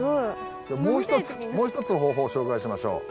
もう一つの方法を紹介しましょう。